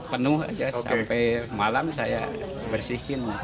penuh aja sampai malam saya bersihin